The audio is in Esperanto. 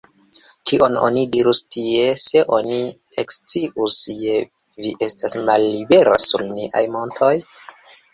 Kion oni dirus tie, se oni ekscius, ke vi estas mallibera sur niaj montoj?